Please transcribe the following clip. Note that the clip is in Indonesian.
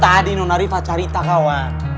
tadi nona riva cari tahu wan